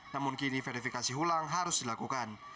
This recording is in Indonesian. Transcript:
namun kini verifikasi ulang harus dilakukan